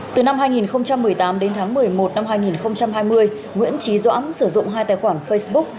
từ năm hai nghìn một mươi tám đến tháng một mươi một năm hai nghìn hai mươi nguyễn trí doãn sử dụng hai tài khoản facebook